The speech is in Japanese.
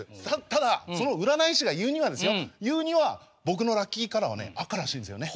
ただその占い師が言うにはですよ言うには僕のラッキーカラーはね赤らしいんですよね。